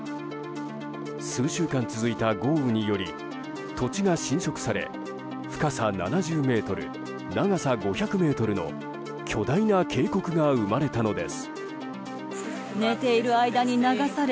数週間続いた豪雨により土地が浸食され深さ７０ｍ、長さ５００ｍの巨大な渓谷が生まれたのです。